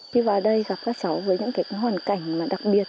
khi vào đây gặp các cháu với những cái hoàn cảnh mà đặc biệt